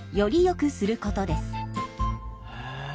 へえ。